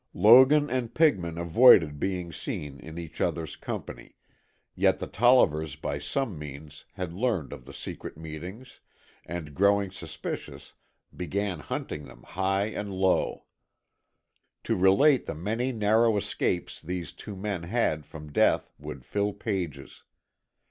Logan and Pigman avoided being seen in each other's company, yet the Tollivers by some means had learned of their secret meetings, and, growing suspicious, began hunting them high and low. To relate the many narrow escapes these two men had from death would fill pages.